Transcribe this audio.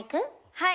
はい。